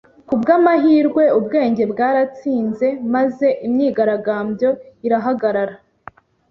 Kubwamahirwe, ubwenge bwaratsinze maze imyigaragambyo irahagarara.